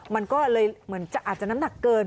มันก็เลยเหมือนจะอาจจะน้ำหนักเกิน